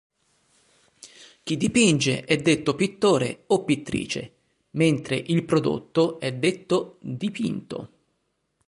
Chi dipinge è detto pittore o pittrice, mentre il prodotto è detto dipinto.